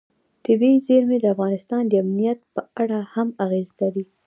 طبیعي زیرمې د افغانستان د امنیت په اړه هم اغېز لري.